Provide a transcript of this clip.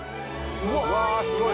うわーすごい。